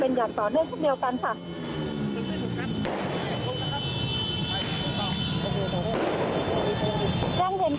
เพราะตอนนี้ก็ไม่มีเวลาให้เข้าไปที่นี่